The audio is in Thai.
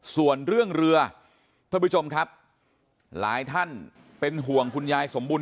ส่วนเรื่องเรือท่านผู้ชมครับหลายท่านเป็นห่วงคุณยายสมบูรณ